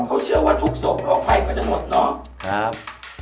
เขาเชื่อว่าทุกศพโรคภัยก็จะหมดเนาะ